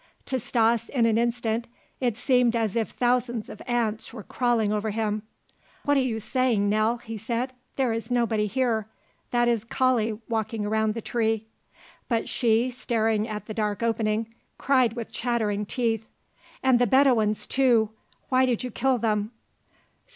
To Stas in an instant it seemed as if thousands of ants were crawling over him. "What are you saying, Nell?" he said. "There is nobody here. That is Kali walking around the tree." But she, staring at the dark opening, cried with chattering teeth: "And the Bedouins too! Why did you kill them?"